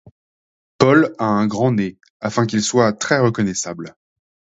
Paul a un grand nez, afin qu'il soit très reconnaissable.